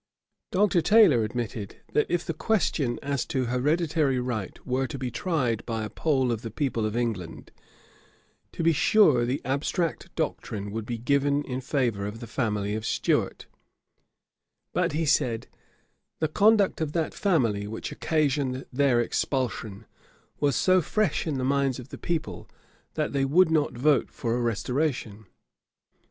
Dr. Taylor admitted, that if the question as to hereditary right were to be tried by a poll of the people of England, to be sure the abstract doctrine would be given in favour of the family of Stuart; but he said, the conduct of that family, which occasioned their expulsion, was so fresh in the minds of the people, that they would not vote for a restoration.